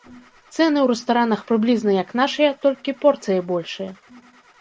Цэны ў рэстаранах прыблізна як нашыя, толькі порцыі большыя.